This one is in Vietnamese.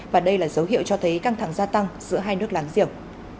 và đây là dấu hiệu cho thấy căng thẳng gia tăng giữa hai nước láng giềng